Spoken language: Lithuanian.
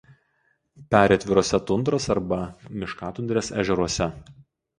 Peri atviruose tundros arba miškatundrės ežeruose.